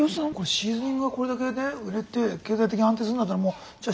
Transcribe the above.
シーズニングがこれだけね売れて経済的に安定するんだったらじゃあ